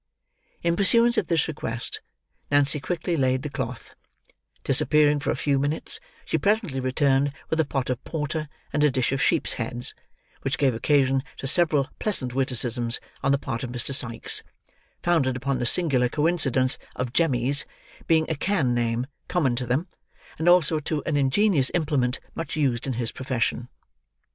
In pursuance of this request, Nancy quickly laid the cloth; disappearing for a few minutes, she presently returned with a pot of porter and a dish of sheep's heads: which gave occasion to several pleasant witticisms on the part of Mr. Sikes, founded upon the singular coincidence of "jemmies" being a can name, common to them, and also to an ingenious implement much used in his profession.